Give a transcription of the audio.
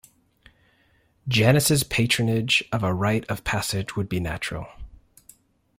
Janus's patronage of a rite of passage would be natural.